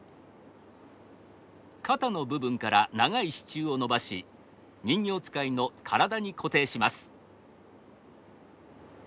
肩の部分から長い支柱を伸ばし人形遣いの体に固定します。